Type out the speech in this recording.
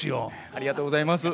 ありがとうございます。